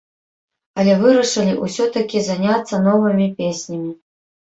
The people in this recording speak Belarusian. Але вырашылі ўсё-такі заняцца новымі песнямі.